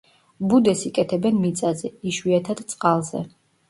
ბუდეს იკეთებენ მიწაზე, იშვიათად წყალზე.